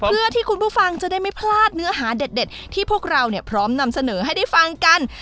เพื่อที่คุณผู้ฟังจะได้ไม่พลาดเนื้อหาเด็ดที่พวกเราเนี่ยพร้อมนำเสนอให้ได้ฟังกัน